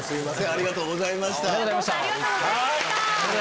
ありがとうございます。